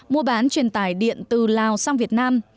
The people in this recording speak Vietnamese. mua bán truyền tải điện từ lào sang việt nam